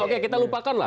oke kita lupakan lah